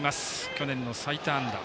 去年の最多安打。